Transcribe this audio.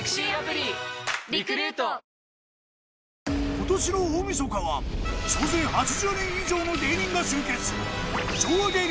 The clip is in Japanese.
今年の大晦日は総勢８０人以上の芸人が集結